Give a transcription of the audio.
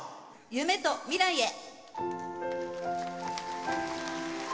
「夢と未来へ」